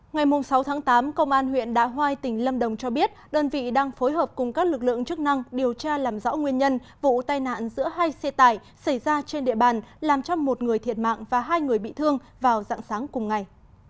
ngày sáu tháng tám công an huyện đạ hoai tỉnh lâm đồng cho biết đơn vị đang phối hợp cùng các lực lượng chức năng điều tra làm rõ nguyên nhân vụ tai nạn giữa hai xe tải xảy ra trên địa bàn làm cho một người thiệt mạng và hai người bị thương vào dạng sáng cùng ngày